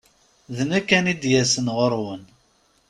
D nekk an id yas ɣur-wen.